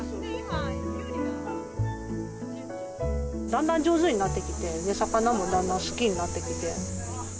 だんだん上手になってきて魚もだんだん好きになってきて。